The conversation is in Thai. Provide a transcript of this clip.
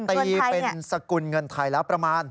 ตีเป็นสกุลเงินไทยแล้วประมาณ